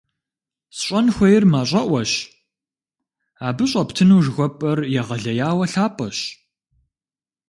СщӀэн хуейр мащӀэӀуэщ, абы щӀэптыну жыхуэпӀэр егъэлеяуэ лъапӀэщ!